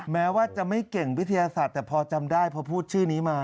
แม้ว่าจะไม่เก่งวิทยาศาสตร์แต่พอจำได้พอพูดชื่อนี้มา